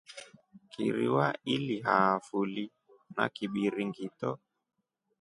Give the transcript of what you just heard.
Kiriwa ilihaafuli na Kibiringito.